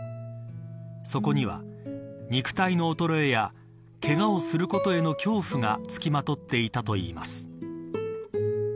そこには肉体の衰えやけがをすることへの恐怖がつきまとっていたといいます。